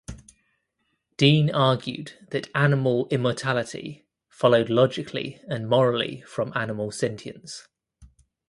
Dean argued that animal immortality followed logically and morally from animal sentience.